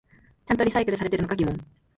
ちゃんとリサイクルされてるのか疑問